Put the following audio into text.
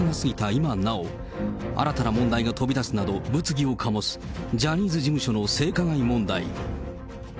今なお、新たな問題が飛び出すなど、物議を醸すジャニーズ事務所の性加害問題。